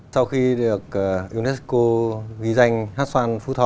sau khi được unesco ghi danh hát xoan phú thọ